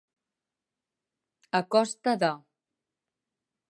A costa de.